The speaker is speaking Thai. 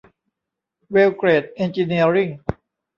เวล เกรด เอ็นจิเนียริ่ง